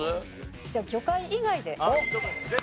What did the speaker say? じゃあ魚介以外で。